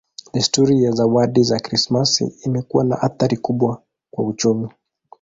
Desturi ya zawadi za Krismasi imekuwa na athari kubwa kwa uchumi.